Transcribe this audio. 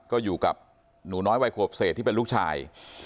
ก็อยู่กับหนูน้อยวัยขวบเศษที่เป็นลูกชาย